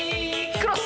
クロス。